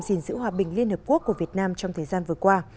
gìn giữ hòa bình liên hợp quốc của việt nam trong thời gian vừa qua